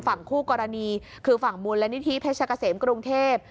ฝั่งคู่กรณีคือฝั่งมูลนิธิเพชรเกษมกรุงเทพ